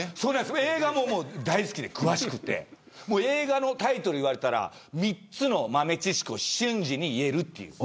僕、映画も大好きで、詳しくて映画のタイトル言われたら３つの豆知識を瞬時に言えるという。